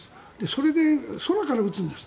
それで空から撃つんです。